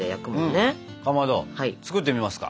かまど作ってみますか。